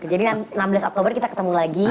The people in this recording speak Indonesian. jadi enam belas oktober kita ketemu lagi